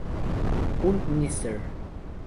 Un 'Mr.